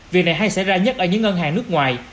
việc này hay xảy ra nhất ở những ngân hàng nước ngoài